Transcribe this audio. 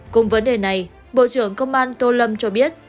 cùng vấn đề này bộ trưởng công an tô lâm cho biết